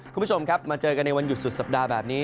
คุณผู้ชมครับมาเจอกันในวันหยุดสุดสัปดาห์แบบนี้